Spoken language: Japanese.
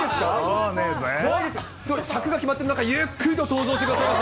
尺が決まってる中、ゆっくりと登場してくださいました。